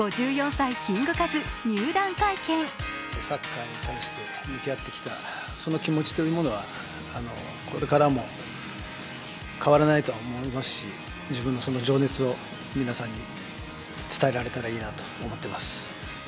サッカーに対して向き合ってきたその気持ちというのはこれからも変わらないと思いますし自分の情熱を皆さんに伝えられたらいいなと思ってます。